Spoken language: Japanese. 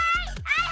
はい！